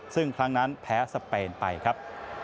ซึ่งครั้งนั้นแพ้สเปนไปครับ